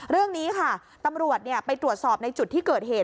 เรื่องนี้ค่ะตำรวจไปตรวจสอบในจุดที่เกิดเหตุ